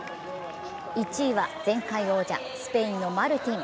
１位は、前回王者、スペインのマルティン。